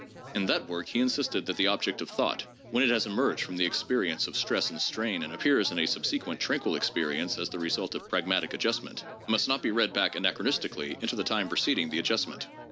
In that work he insisted that the object of thought, when it has emerged from the experi ence of stress and strain and appears in a subsequent tranquil experience as the result of pragmatic adjustment, must not be read back anachronistically into the time preceding the adjust ment.